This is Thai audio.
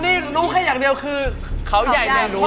นี่รู้แค่อยากนั้นเดียวคือเขาใหญ่แต่รู้